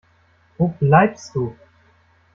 Wo bleibst du?